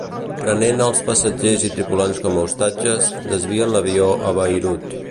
Prenent als passatgers i tripulants com a ostatges, desvien l'avió a Beirut.